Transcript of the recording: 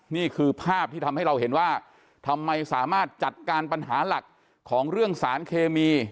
นี่คือภาพที่ทำให้เราเห็นว่าทำไมสามารถจัดการปัญหาหลักของเรื่องสารเคมี